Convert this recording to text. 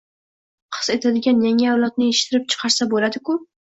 his etadigan yangi avlodni yetishtirib chiqarsa bo‘ladi-ku?